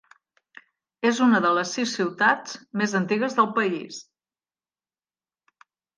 És una de les sis ciutats més antigues del país.